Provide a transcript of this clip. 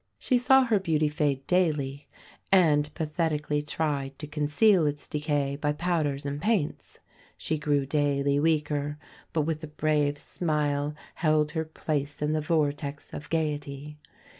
She saw her beauty fade daily, and pathetically tried to conceal its decay by powders and paints. She grew daily weaker; but, with a brave smile, held her place in the vortex of gaiety.